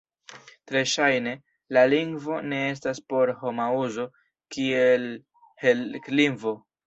Tre ŝajne, la lingvo ne estas por homa uzo kiel helplingvo.